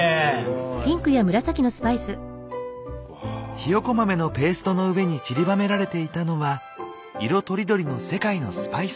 ひよこ豆のペーストの上にちりばめられていたのは色とりどりの世界のスパイス。